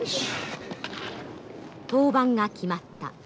登板が決まった。